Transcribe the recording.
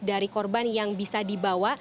dari korban yang bisa dibawa